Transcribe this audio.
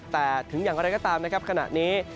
แต่ถึงอย่างไรก็ตามนะครับขณะนี้